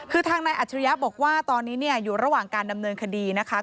คือทางนายอัจฉริยะบอกว่าตอนนี้อยู่ระหว่างการดำเนินคดีนะคะ